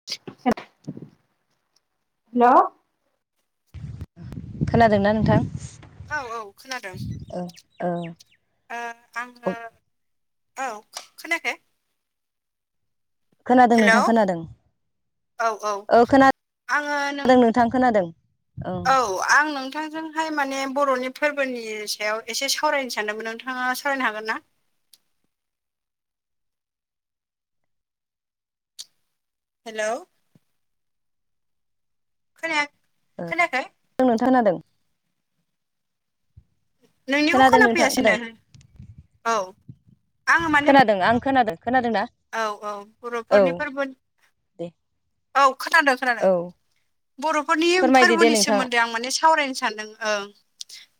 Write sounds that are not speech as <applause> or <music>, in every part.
Hello खोनादोंना नोंथां? औ औ खोनादों। अ ओ आङो औ खोनाखै खोनादों हेलौ नोंथां खोनादों औ खोना दों आङो नों खोनादों नोंथां खोनादों। औ आं नोंथांजों हाय माने बर'नि फोरबोनि सायाव एसे सावरायनो सानदोंमोन नोंथाङा सावरायनो हागोन ना। हेलौ खोना ओ ओं नोंथां खोनादों नोंनिखौ खोनादों खोना नोंथां फैयासैनो खोनादों औ आङो माने खोनादों, आं खोनादों, खोनादों ना? औ औ बर'फोरनि फोरबो दे औ खोनादों खोनादों औ बर'फोरनि फोरमायदो दे फोरबोनि नोंथाङा सोमोन्दै आं माने सावरायनो सानदों ओं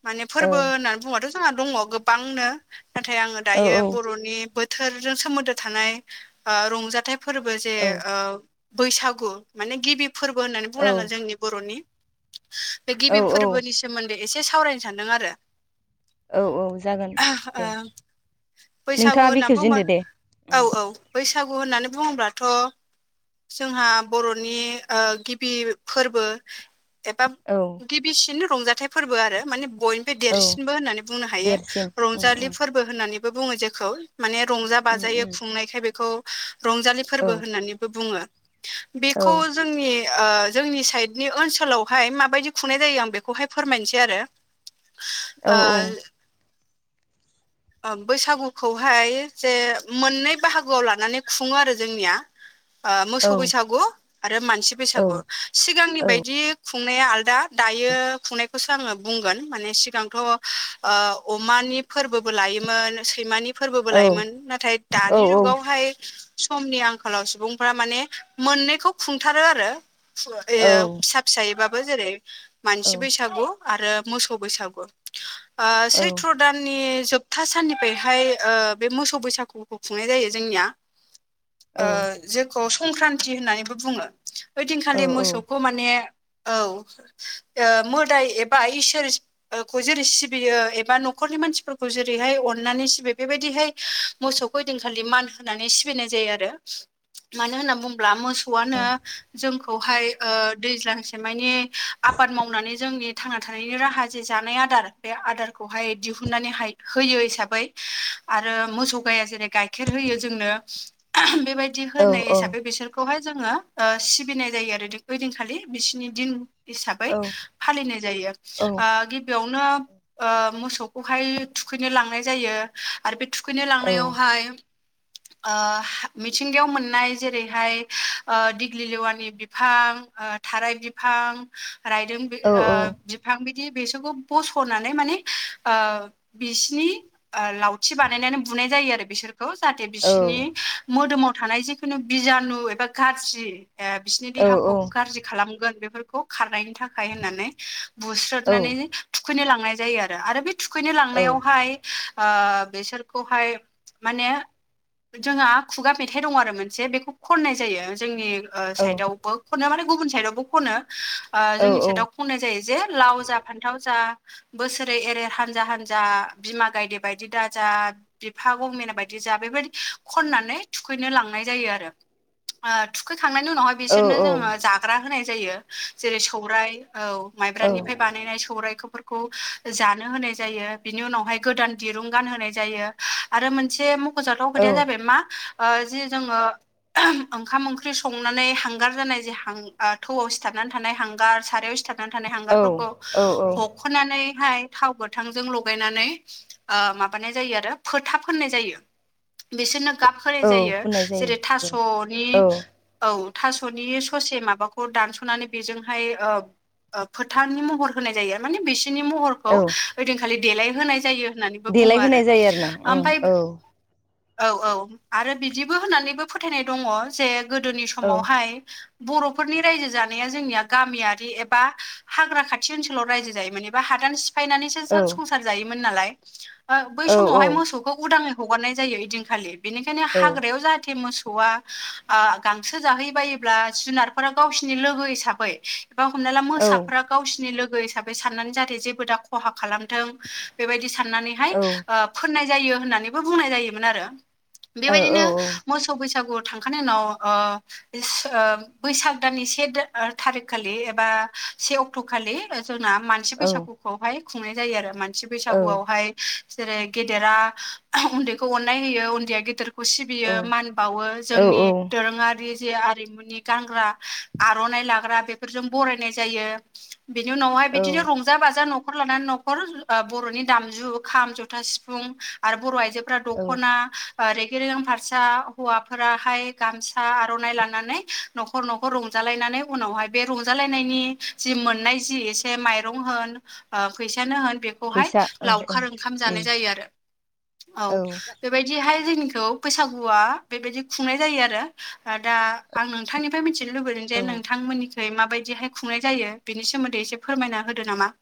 माने औ फोरबो होननानै बुङोबाथ' जोंहा दङ' गोबांनो नाथाय आङो औ दायो औ बर'नि बोथोरजों सोमोन्दो थानाय ओ रंजाथाइ फोरबो जे औ ओ बैसागु माने गिबि फोरबो होननानै औ बुंनांगोन जोंनि बर'नि। बे औ गिबि फोरबोनि सोमोन्दै एसे सावरायनो सान्दों आरो। औ औ जागोन ओ दे। बैसागु नोंथाङा होनना बुंबा बेखेवजेनदो दे उम औ औ बैसागु होननानै बुङोब्लाथ' जोंहा बर'नि ओ गिबि फोरबो एबा औ गिबिसिन रंजाथाइ फोरबो आरो माने बयनिबो औ देरसिनबो होननानै बुंनो हायो देरसिन उम रंजालि उम फोर बो होननानैबो बुङो जेखौ माने उम बाजायै उम खुंनायखाय बेखौ रंजालि औ फोरबो होननानैबो बुङो। औ बेखौ जोंनि ओ जोंनि साइडनि ओनसोलावहाय माबायदि खुंनाय जायो आं बेखौहाय फोरमायनोसै आरो औ ओ बैसागुखौहाय जे मोननै बाहागोआव लानानै खुङो आरो जोंनिया ओ औ मोसौ बैसागु आरो मानसि औ बैसागु सिगांनि बायदि खुंनाया आलदा दायो खुंनायखौसो आङो बुंगोन माने सिगांथ' ओ अमानि फोरबो बो लायोमोन सैमानि फोरबोबो लायोमोन नाथाय दानि औ जुगावहाय समनि आंखालाव सुबुंफोरा माने मोननैखौ खुंथारो आरो ओ औ फिसा फिसायैबाबो जेरै औ मानसि बैसागु आरो मोसौ बैसागु। ओ औ सैथ्र' दाननि जोब था साननिफ्रायहाय ओ बे मोसौ बैसागुखौ खुंनाय जायो जोंनिया ओ जेखौ संक्रान्ति होननानैबो बुङो ओइदिनखालि मोसौखौ माने औ ओ मोदाय एबा इसोरखौ जेरै सिबियो एबा न'खरनि मानसिफोर खौ जेरैहाय अननानै सिबियो बेबायदिहाय मोसौखौ ओदिनखालि मान होनानै सिबिनाय जायो आरो। मानो होनना बुंब्ला मो सौआनो जोंखौहाय ओ दैज्लांसेमानि आबाद मावनानै जोंनि थांना थानायनि राहा जे जानाय आदार बे आदारखौहाय दिहुननानैहाय होयो हिसाबै आरो मोसौ गाया जेरै गाइखेर होयो जोंनो बेबाय दि होनाय हिसाबै बिसोरखौहाय जोङो ओ सिबिनाय जायो आरो ओइदिनखालि बिसोरनि दिन हिसाबै फालिनाय जायो। ओ गिबियावनो ओ मोसौखौहाय थुखैनो लांनाय जायो आरो बे थुखैनो लांनायावहाय ओ मिथिंगायाव मोननाय जेरैहाय ओ दिग्लिलेवानि बिफां ओ थाराय बिफां रायदों बि ओ बिफां बिदि बेसोरखौ बस'नानै माने ओ बिसिनि ओ लावथि बानायनानै बुनाय जायो आरो बिसोरखौ जाहाथे बिसिरनि मोदोमाव थानाय जिखुनु बिजानु एबा गाज्रि ए बिसोरनि देहाखौ गाज्रि खालामगोन बेफोरखौ खारनायनि थाखाय होननानै बुस्रोदनानै थुखैनो लांनाय जायो आरो आरो बे थुखैनो लांनायावहाय ओ बिसोरखौहाय माने जोंहा खुगा मेथाइ दं आरो मोनसे बेखौ खननाय जायो जोंनि ओ साइदावबो खनो माने गुबुन साइदावबो खनो। ओजोंनि साइदाव बुंनाय जायो जे लाव जा फान्थाव जा बोसोरै एरे हानजा हानजा जा बिमा गायदे बायदि दा जा बिफा गमिना बायदि जा बेबायदि खननानै थुखैनो लांनाय जायो आरो। ओ थुखैखांनायनि उनावहाय बिसोरनो जोङो जाग्रा होनाय जायो जेरै सौराइ औ माइबफ्राय बा नायनाय सौफोरखौ जानो होनाय जायो। बिनि उनावहाय गोदान दिरुं गानहोनाय जायो आरो मोनसे मख'जाथाव खोथाया जाबाय मा ओ जि जोङो ओंखाम ओंख्रि संनानै हांगार जानाय हां ओ थौआव सिथाबनानै थानाय हांगार सारायाव सिथाब खान्थानि हांगारफोरखौ औ औ हख'नानै हाय थाव गोथांजों ल गायनानै माबानाय जायो आरो फोथाब फनाय जायो। बिसोरनो गाब होनाय औ जायो फुननाय जेरै जायो थास'नि औ औ थास'नि ससे माबाखौ दानस'नानै बेजोंहाय ओ फोथारनि महर होनाय जायो माने बिसोरनि महरखौ औ ओइदिनखालि देलाय होनाय जायो। होननानैबो देलाय बुङो आरो। होनाय जायो ना उम ओमफ्राय औ औ औ आरो बिदिबो होननानैबो फोथायनाय दङ जे गोदोनि औ समावहाय बर'फोरनि रायजो जानाया जोंनिया गामियारि एबा हाग्रा खाथि ओनसोलाव रायजो जायो मानेबा हादान सिफायनानै औ संसार जायोमोन नालाय बै औ समावहाय मोसौखौ उदाङै हगारनाय जायो। इदिनखालि बिनिखायनो औ हाग्रायाव जाहाथे मोसौआ गांसो जाहै बायोब्ला जुनारफोरा गावसिनि लोगो हिसाबै बा हमना ला मोसाफ्रा गावसिनि लोगो हिसाबै साननानै जाहाथे जेबो दा खहा खालाम थों बेबायदि साननानैहाय फोरनाय जायो होननानैबो बुंनाय जायोमोन आरो। बेबायदिनो मोसौ बैसागु थांखांनायनि उनाव ओ बैसाग दाननि से थारिख खालि एबा से अक्ट' खालि जोंना मान सि बैसागुखौहाय खुंनाय जायो आरो मानसि बैसागुआवहाय जेरै गेदेरा उन्दैखौ अननाय होयो उन्दैया गेदेर खौ सिबियो मान बावो जोंनि दोरोङारि जे आरिमु गानग्रा आर'नाइ लाग्रा बेफोरजों बरायनाय जायो। बिनि उनावहाय औ बिदिनो रंजा बाजा न'खर लानानै नखर बर'नि दामजु खाम जथा सिफुं आरो बर' आइजोफोरा औ दख'ना रेगि रेगां फारसा हौवाफोराहाय गामसा आर'नाइ लानानै न'खर न'खर रंजालायनानै उनावहाय बे रंजालायनायनि जि मोननाय जि एसे माइरं होन ओ फैसानो होन बे खौहाय फैसा औ लावखार ओंखाम जानाय जायो आरो। औ। बेबायदिहाय जोंनिखौ बैसागुआ बेबायदि खुंनाय जायो आरो। दा आं नोंथांनिफ्राय मिथिनो लुबैदों औ जे नोंथांमोननिखै माबायदिहाय खुंनाय जायो बिनि सोमोन्दै एसे फोरमायना होदो नामा।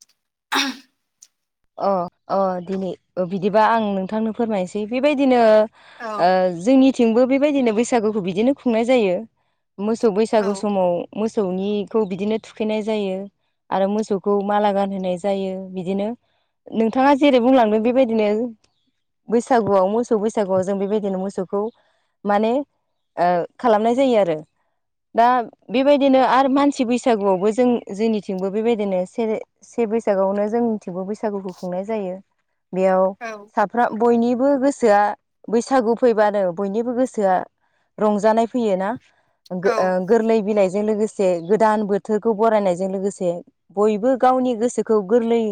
<inaudible> अ अ दिनै बिदिबा आं नोंथांनो फोरमायनोसै बेबायदिनो औ ओ जोंनिथिंबो बेबायदिनो बैसागुखौ बिदिनो खुंनाय जायो। मोसौ बैसागु औ समाव मोसौनिखौ बिदिनो थुखैनाय जायो। आरो मोसौखौ माला गानहोनाय जायो बिदिनो। नोंथाङा जेरै बुंलांदों बेबायदिनो बैसागुआव मोसौ बैसागुआव जों बेबायदिनो मोसौखौ माने ओ खालामनाय जायो आरो। दा बेबायदिनो आरो मानसि बैसागुआवबो जों जोंनिथिंबो बेबायदिनो सेर से बैसागोआवनो जोंनिथिंबो बैसागुखौ खुंनाय जायो बेयाव औ साब बयनिबो गोसोआ बैसागु फैबानो बयनिबो गोसोआ रंजानाय फैयोना औ गोरलै बिलाइ जों लोगोसे गोदान बोथोरखौ बरायनायजों लोगोसे बयबो गावनि गोसोखौ गोरलै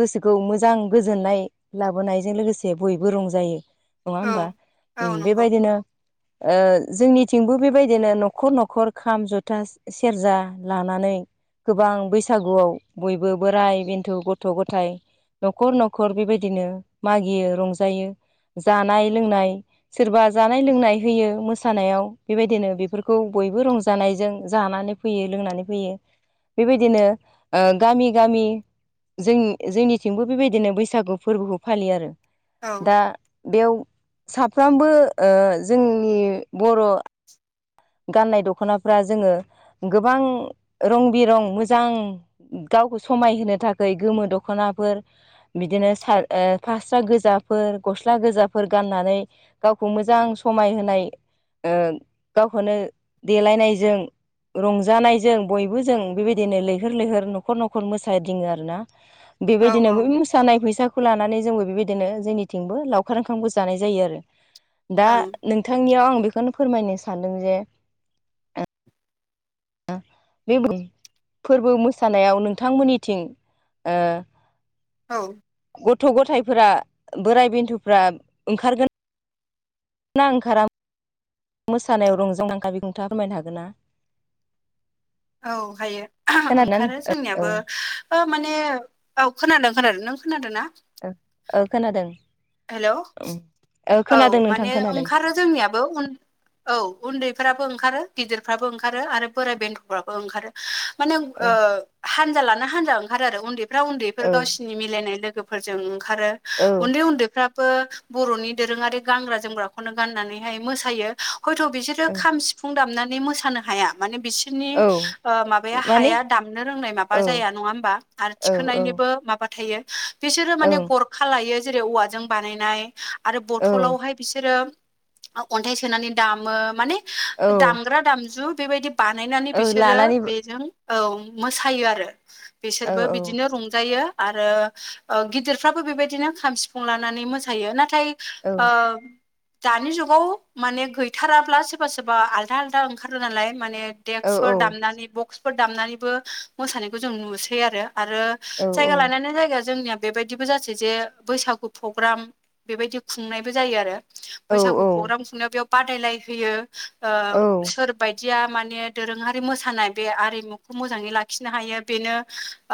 गोसोखौ मोजां गोजोननाय लाबोनायजों लोगोसे बयबो रंजायो नङा औ होमबा औ नंगौ बेबायदिनो जोंनिथिंबो बेबायदिनो न'खर न'खर खाम जथा सेरजा लानानै गोबां बैसागुआव बयबो बोराय बेन्थ' गथ' गथ' गथायाइ न'खर न'खर बेबायदिनो मागियो रंजायो जानाय लोंनाय सोरबा जानाय लोंनाय होयो मोसानायाव बेबायदिनो बेफोरखौ बयबो रंजानायजों जानानै फैयो लोंनानै फैयो बेबायदिनो गामि गामि जोंनि जोंनिथिंबो बेबायदिनो बैसागु फोरबोखौ फालियो आरो औ दा बेयाव साफ्रोमबो जोंनि बर' <inaudible> गाननाय दख'नाफ्रा जोङो गोबां रं बिरं मोजां गावखौ समायहोनो थाखाय गोमो दख'नाफोर बिदिनो सार फास्रा गोजाफोर गस्ला गोजाफोर गाननानै गावखौ मोजां समायहाय ओ गावखौनो देलायनायजों रंजानायजों बयबो जों बेबायदिनो लैहोर लैहोर न'खर न'खर मोसादङो आर ना <inaudible> बेबायदिनो औ बै ओं मोसानाय फैसाखौ लानानै जोंबो बेबायदिनो जोंनिथिंबो लावखार ओंखामबो जानाय जायो आरो दा नोंथांनियाव आं बेखौनो फोरमायनो सानदों जे आ बे बुं फोरबो मोसानायाव नोंथांमोननिथिं ओ औ। गथ' गथायफोरा बोराय बेन्थ'फ्रा ओंखारगोन ना ओंखारा मोसानायाव रंजों <unintelligible> नोंथांङा फोरमायनो हागोन ना औ हायो ओंखारो खोनादोंना ओ जोंनियाबो बा माने औ खोनादों खोनादों नों खोनादों ना ओ औ खोनादों हेल' ओ औ खोनादों नोंथां माने खोनादों ओंखारो जोंनियाबोन औ उन्दैफ्राबो ओंखारो गिदिरफ्राबो ओंखारो आरो बोराय बेन्थ'फ्राबो ओंखारो माने औ ओ हानजा लाना हानजा ओंखारो आरो उन्दैफ्रा उन्दैफोर औ गावसि नि मिलायनाय लोगोफोरजों ओंखारो औ उन्दै उन्दैफ्राबो बर'नि दोरोङारि गानग्रा जोमग्राखौनो गाननानैहाय मोसायो हयथ' बिसोरो औ खाम सिुफुं दामनानै मोसानो हाया माने बिसोरनि औ ओ माबाया माने हाया दामनो रोंनाय माबा औ जाया नङा होमबा आरो औ थिखोननायनिबो माबा थायो बिसोरो औ माने गरखा लायो जेरै औवाजों बानायनाय आरो औ बथलावहाय बिसोरो अन्थाइ सोनानै दामो माने औ दामग्रा दामजु बेबायदि बानायनानै औ बिसोरो लानानै बेजों औ मोसायो आरो औ बिसोरबो बिदिनो रंजायो आरो गिदिरफ्राबो बेबायदिनो खाम सिफुं लानानै मोसायो नाथाय औ अ दानि जुगाव माने गैथाराब्ला सोरबा सोरबा आलदा आलदा ओंखारो नालाय माने औ देक्सफोर दामनानै बक्सफोर दामनानैबो मोसानायखौ जों नुसै आरो आरो औ जायगा लानानै जायगा जोंनिया बेबायदिबो जासै जे बैसागु पग्राम बेबायदि खुंनायबो जायो आरो बैसागु औ औ पग्राम खुंनायाव बेयाव बादायलाय होयो सोरा बायदिया माने दोरोङारि मोसानाय बे आरिमुखौ मोजाङै लाखिनो हायो बेनो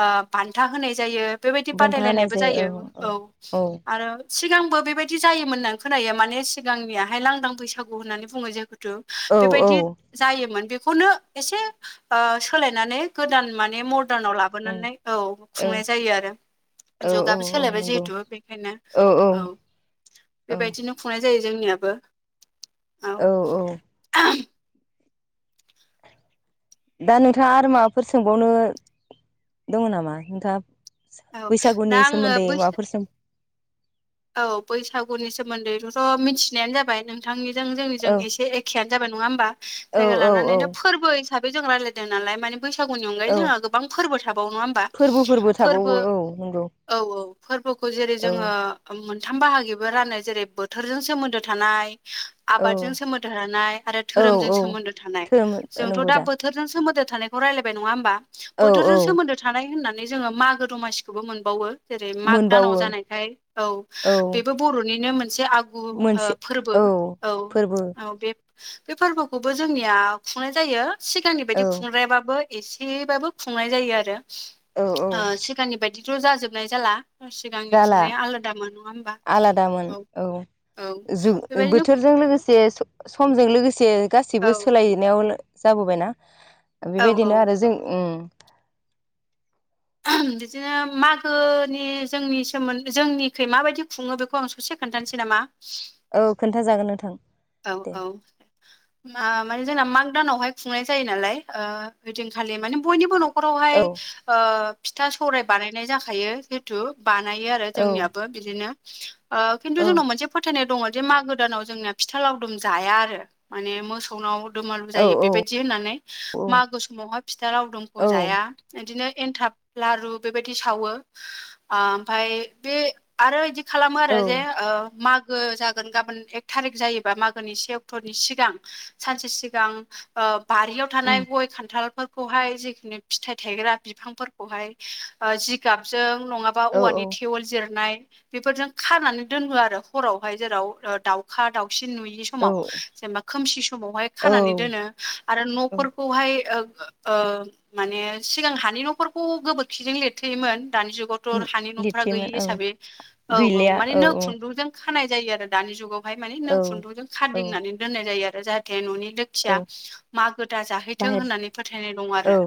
ओ बान्था होनाय जायो बेबायदि बादायलायनायबो जायो। औ औ आरो सिगांबो बेबायदि जायोमोननानै खोनायो माने सिगांनियाहाय लांदां बैसागु होननानै बुङो जे थु औ औ बेबायदि जायोमोन बेखौनो एसे सोलायनानै गोदान माने मदारनाव लाबो लाबोनानै औ खुंनाय जायो आरो औ। औ औ जुगाबो औ सोलायबाय नंगौ जिहेथु बेखायनो औ। औ बेबायदिनो खुंनाय जायो जोंनियाबो औ। दा नोंथाङा आरो माबाफोर सोंबावनो दङ नामा नोंथां? औ दा बैसागुनि आङो सोमोन्दै बैसो माबाफोर सोम औ बैसागुनि सोमोन्दैथ'थ' मिथिनायानो जाबाय नोंथांनिजों जोंनिजों औ एसे ए एखेयानो जाबाय नङा होमबा। औ जायगा लानानै औ दा फोरबो हिसाबै जों राय्लायदों नालाय माने बैसागुनि अनगायै औ जोंहा गोबां फोरबो थाबावो नङा होमबा? फोरबोफोरबो थाबावो फोरबो औ नंगौ। औ औ फोरबोखौ जेरै औ जोङो मोनथाम बाहागिबो रानो जेरै बोथोरजों सोमोन्दो थानाय औ आबादजों सोमोन्दो थानाय आरो औ धोरोमजों औ सोमोन्दो थानाय। धोरोम जोंथ' नंगौ दा बोथोरजों सोमोन्दो थानायखौ राय्लायबाय नङा? होमबा औ औ बोथोरजों सोमोनदो थानाय होननानै जोङो मागो दमासिखौबो मोनबावो जेरै मागो दानाव मोनबावो जानायखाय औ बेबो बर'निनो मोनसे आगु मोनसे फोरबो औ औ फोरबो औ बे बे फोरबोखौबो जोंनिया खुंनाय जायो सिगांनि बायदि औ खुंग्रायाबाबो एसेबाबो खुंनाय जायो आरो औ सिगांनि बायदिथ' जाजोबनाय जाला सिगांनि जाला खुंनाया आला आलादामोन औ औ जुग बेबायदिनो बोथोरजों लोगोसे समजों लोगोसे औ गासिबो सोलायनायाव जाबोबायना? औ औ बेबायदिनो आरो जों ओम बिदिनो मागोनि जोंनि सोमोन्दै जोंनिखै माबायदि खुङो बेखौ आं ससे खोन्थानोसै नामा? औ खोन्थाजागोन नोंथां। औ दे औ। माने जोंना माग दानावहाय खुंनाय जायो नालाय ओ ओइदिनखालि माने बयनिबो न' खरावहाय औ ओ फिथा सौराय बानायनाय जाखायो जिहेथु बानायो आरो औ जोंनियाबो। बिदिनो ओ खिन्थु औ जोंनाव मोनसे फोथायनाय दङ जे मागो दानाव जोंनिया फिथा लावदुम जाया आरो माने मोसौनाव दुमालु जायो औ बेबायदि यदि होननानै औ मागो समावहाय फिथा लावदुमखौ जाया औ बिदिनो एन्थाब लारु बेबायदि सावो। ओओमफ्राय बे आरो बिदि खालामो औ आरो जे ओ माग गो जागोन गाबोन एक थारिक जायोबा मागोनि से अक्ट'नि सिगां सानसे सिगां बारियाव उम थानाय गय खान्थालफोरखौहाय जेखुननि फिथाइ थायग्रा बिफांफोर खौहाय जिगाबजों नङाबा औ औवानि थेवल जिरनाय बेफोरजों खानानै दोनो आरो हरावहाय जेराव दाउखा दाउसिन नुयि समाव औ जेनेबा खोमसि समावहाय खानानै औ दोनो। आरो औ न'फोरखौहाय ओ माने सिगां हानि न'खर खौ गोबोरखिजों लिरथोयोमोन दानि जुगाव मटर हानि न'फ्रा लिरथेयोमोन गैयि औ हिसाबै औ औ माने नो खुन्दुंजों खानाय जायो आरो दानि जुगाव हाय माने औ नो खुन्दुंजों औ खाराददिंनानै दोननाय जायो आरो जाहाथे न'नि लो थिया औ मागो दा जाहैथों बाहेर होननानै फोथायनाय दं आरो। औ